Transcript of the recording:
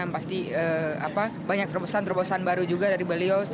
yang pasti banyak terobosan terobosan baru juga dari beliau